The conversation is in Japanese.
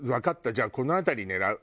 じゃあこの辺り狙う。